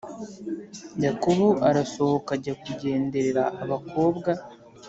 Yakobo arasohoka ajya kugenderera abakobwa